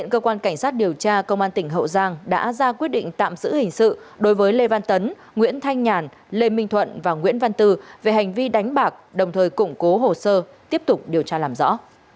cơ quan công an tỉnh hậu giang đã ra quyết định tạm giữ hình sự đối với lê văn tấn nguyễn thanh nhàn lê minh thuận và nguyễn văn từ về hành vi đánh bạc đồng thời củng cố hồ sơ tiếp tục điều tra làm rõ